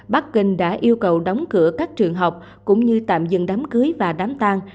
bắc kinh đã yêu cầu đóng cửa các trường học cũng như tạm dừng đám cưới và đám tan